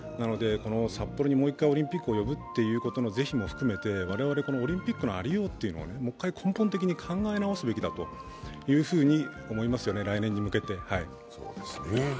札幌にもう一回オリンピックを呼ぶということの是非も含めて我々オリンピックのありようを根本的に考え直すべきだと思いますよね、来年に向けて。